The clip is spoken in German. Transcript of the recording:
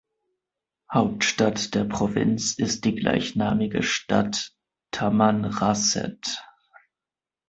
Hauptstadt der Provinz ist die gleichnamige Stadt Tamanrasset.